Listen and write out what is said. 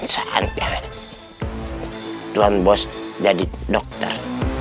saatnya tuan bos jadi dokter